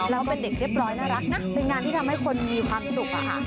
แล้วก็เป็นเด็กเรียบร้อยน่ารักนะเป็นงานที่ทำให้คนมีความสุขอะค่ะ